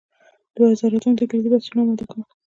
د وزارتونو د کلیدي بستونو اماده کول.